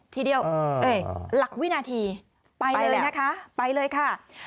ทีเดียวเหรอหลักวินาทีไปเลยนะคะไปเลยค่ะเออเอ่อ